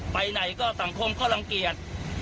ไปไหนก็สังคมเขารังเกียจ